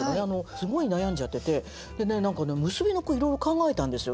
すごい悩んじゃってて結びの句いろいろ考えたんですよ。